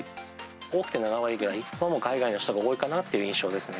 多くて７割ぐらい、海外の人が多いかなという印象ですね。